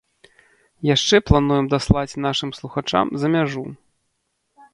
Яшчэ плануем даслаць нашым слухачам за мяжу.